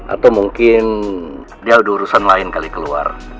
atau mungkin dia ada urusan lain kali keluar